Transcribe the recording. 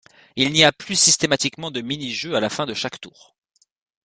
Il n'y a plus systématiquement de mini-jeux à la fin de chaque tour.